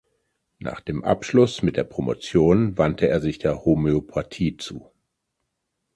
Nach dem Abschluss mit der Promotion wandte er sich der Homöopathie zu.